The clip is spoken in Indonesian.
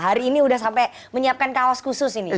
hari ini sudah sampai menyiapkan kaos khusus ini